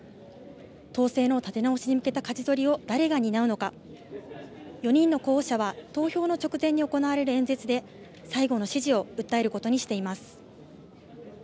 党勢の立て直しに向けたかじ取りを誰が担うのか、４人の候補者は投票の直前に行われる演説で最後の支持を訴えることにしています。